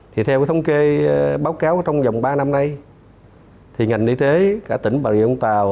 thì theo cái thống kê báo cáo trong vòng ba năm nay thì ngành y tế cả tỉnh bà rịa vũng tàu